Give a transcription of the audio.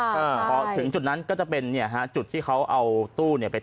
เพราะถึงจุดนั้นก็จะเป็นจุดที่เขาเอาตู้ไปตั้งเอาไว้